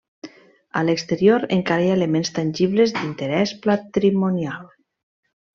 A l'exterior encara hi ha elements tangibles d'interès patrimonial.